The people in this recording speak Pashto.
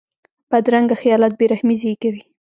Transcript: بدرنګه خیالات بې رحمي زېږوي